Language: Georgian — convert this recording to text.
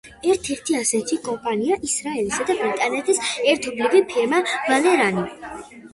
ერთ-ერთი ასეთი კომპანიაა ისრაელისა და ბრიტანეთის ერთობლივი ფირმა „ვალერანი“.